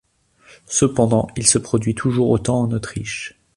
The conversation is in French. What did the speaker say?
Cependant il se produit toujours autant en Autriche.